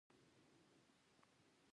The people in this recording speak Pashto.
قومونه د افغانستان د اجتماعي جوړښت برخه ده.